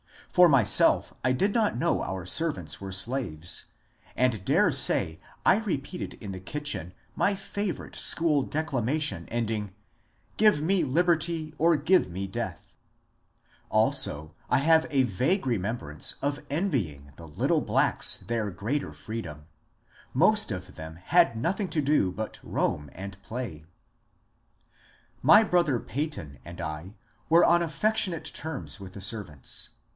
For myself I did not know our servants were slaves, and dare say I repeated in the kitchen my favourite school declamation ending " Give me Liberty or give me Death !" Also, I have a vague remembrance of envying the little blacks their greater freedom ; most of them had nothing to do but roam and play. My brother Peyton and I were on affectionate terms with the servants.